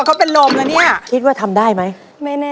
อันสุดท้ายสู้แม่